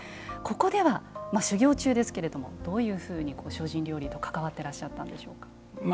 ここでは修行中ですがどういうふうに、精進料理と関わってたんでしょうか。